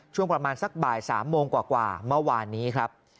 ช่วงประมาณสักบ่าย๓โมงกว่าเมื่อวานนี้ครับ